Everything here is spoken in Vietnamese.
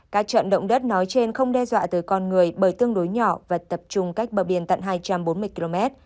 các trận động đất nói trên không đe dọa tới con người bởi tương đối nhỏ và tập trung cách bờ biển tận hai trăm bốn mươi km